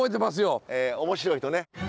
面白い人ね。